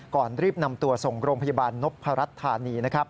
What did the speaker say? ก่อนรีบนำตัวส่งโรงพยาบาลนพรัฐธานี